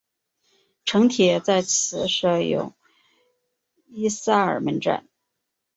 城铁在此设有伊萨尔门站。